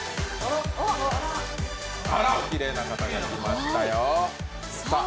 おきれいな方が来ましたよ。